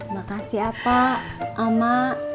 makasih pak amma